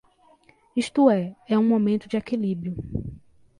Isto é, é um momento de equilíbrio.